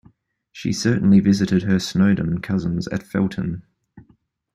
She certainly visited her Snowdon cousins at Felton.